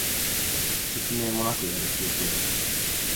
説明もなくやる気をそがれた